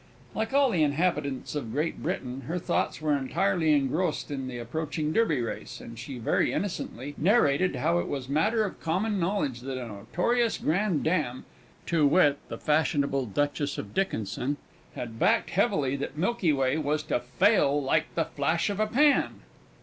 Like all the inhabitants of Great Britain, her thoughts were entirely engrossed with the approaching Derby Race, and she very innocently narrated how it was matter of common knowledge that a notorious grandame, to wit the fashionable Duchess of Dickinson, had backed heavily that Milky Way was to fail like the flash of a pan.